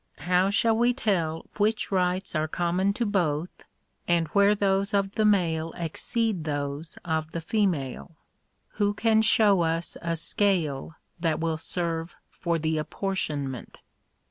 How shall we tell which rights are com mon to both, and Where those of the male exceed those of the female? Who. can show us a scale that will serve for the apportionment?